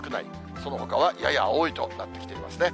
そのほかはやや多いとなってきていますね。